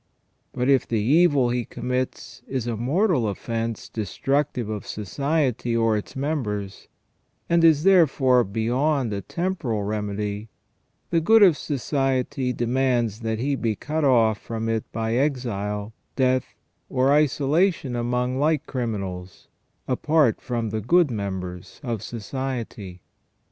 But if the evil he commits is a mortal offence destructive of society or its members, and is therefore beyond a temporal remedy, the good of society demands that he be cut off from it by exile, death, or isolation among like criminals, apart from the good members of society.